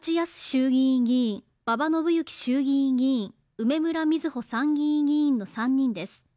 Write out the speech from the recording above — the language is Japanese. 衆議院議員、馬場伸幸衆議院議員、梅村みずほ参議院議員の３人です。